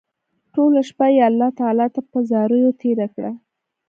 ټوله شپه يې الله تعالی ته په زاريو تېره کړه